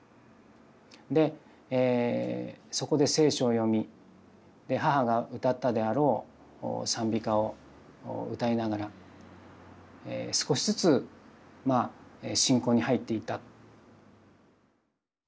でそこで聖書を読みで母が歌ったであろう賛美歌を歌いながら少しずつ信仰に入っていった。